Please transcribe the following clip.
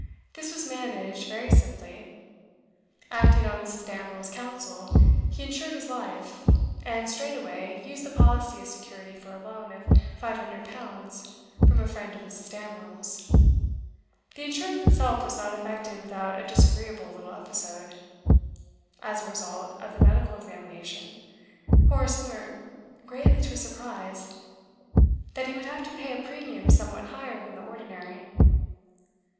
This was managed very simply. Acting on Mrs. Damerel's counsel he insured his life, and straightaway used the policy as security for a loan of five hundred pounds from a friend of Mrs. Damerel's. The insurance itself was not effected without a disagreeable little episode. As a result of the medical examination, Horace learnt, greatly to his surprise, that he would have to pay a premium somewhat higher than the ordinary.